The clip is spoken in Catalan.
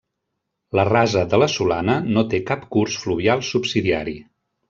La rasa de la Solana no té cap curs fluvial subsidiari.